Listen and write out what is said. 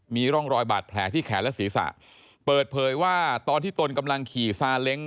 มีร่องรอยบาดแผลที่แขนและศีรษะเปิดเผยว่าตอนที่ตนกำลังขี่ซาเล้ง